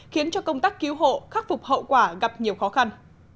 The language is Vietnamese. khiến cho công tác cứu hộ khắc phục hậu quả gặp nhiều khó khăn